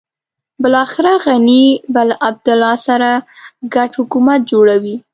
بلاخره غني به له عبدالله سره ګډ حکومت جوړوي.